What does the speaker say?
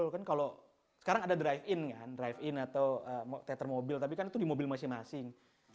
kan kalau sekarang ada drive in kan drive in atau teater mobil tapi kan itu di mobil masing masing